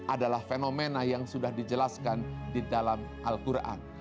adalah fenomena yang sudah dijelaskan di dalam al quran